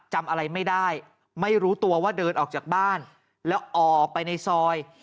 จำอะไรไม่ได้ไม่รู้ตัวว่าเดินออกจากบ้านแล้วออกไปในซอย